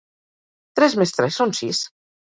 Tres més tres són sis?